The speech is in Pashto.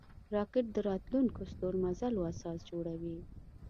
راکټ د راتلونکو ستورمزلو اساس جوړوي